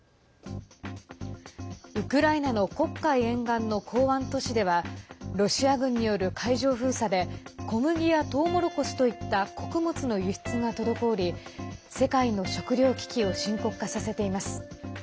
ウクライナの黒海沿岸の港湾都市ではロシア軍による海上封鎖で小麦や、とうもろこしといった穀物の輸出が滞り世界の食糧危機を深刻化させています。